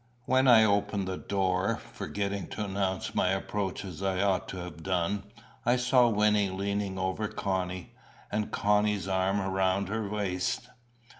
When I opened the door, forgetting to announce my approach as I ought to have done, I saw Wynnie leaning over Connie, and Connie's arm round her waist.